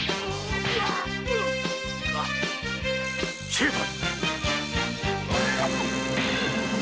成敗！